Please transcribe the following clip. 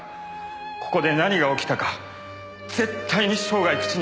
ここで何が起きたか絶対に生涯口にはしません。